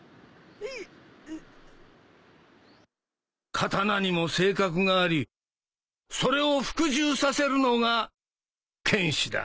刀にも性格がありそれを服従させるのが剣士だ